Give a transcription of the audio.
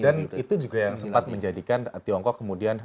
dan itu juga yang sempat menjadikan tiongkok kemudian